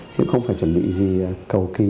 chứ không phải chuẩn bị gì cầu kỳ